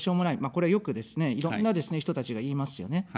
これはよくですね、いろんなですね、人たちが言いますよね。